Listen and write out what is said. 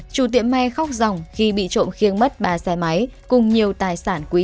chủ tiệm may khóc ròng khi bị trộm khiêng mất ba xe máy